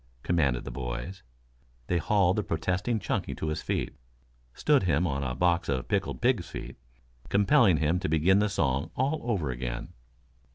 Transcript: commanded the boys. They hauled the protesting Chunky to his feet, stood him on a box of pickled pigs' feet, compelling him to begin the song all over again.